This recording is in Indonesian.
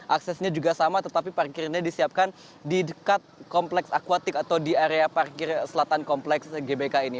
aksesnya juga sama tetapi parkirnya disiapkan di dekat kompleks akuatik atau di area parkir selatan kompleks gbk ini